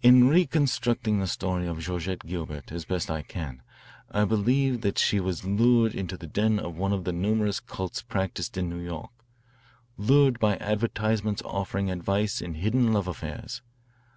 "In reconstructing the story of Georgette Gilbert, as best I can, I believe that she was lured to the den of one of the numerous cults practised in New York, lured by advertisements offering advice in hidden love affairs.